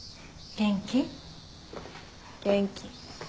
元気。